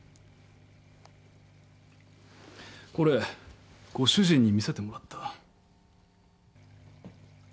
これご主人に見せてもらった。